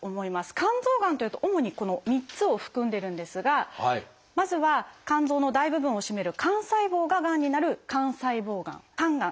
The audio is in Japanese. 肝臓がんというと主にこの３つを含んでるんですがまずは肝臓の大部分を占める肝細胞ががんになる「肝細胞がん」肝がん。